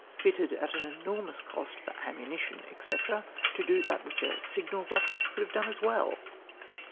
79 fitted at an enormous cost for ammunition, &c., to do that wliicli a sio; nal rocket could liave done as well